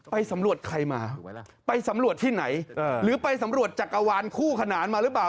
ไปสำรวจใครมาไปสำรวจที่ไหนหรือไปสำรวจจักรวาลคู่ขนานมาหรือเปล่า